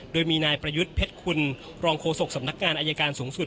โดยมีนายประยุทธ์เพชรคุณรองโฆษกสำนักงานอายการสูงสุด